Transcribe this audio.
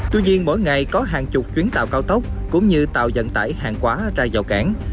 tuy nhiên mỗi ngày có hàng chục chuyến tàu cao tốc cũng như tàu dẫn tải hàng quá ra giàu cản